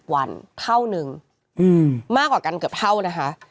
วันเท่านึงมากกว่ากันเกือบเท่านะคะ